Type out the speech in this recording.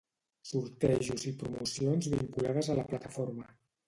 Sortejos i promocions vinculades a la plataforma